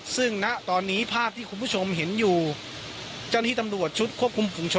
ซึ่งณตอนนี้ภาพที่คุณผู้ชมเห็นอยู่เจ้าหน้าที่ตำรวจชุดควบคุมฝุงชน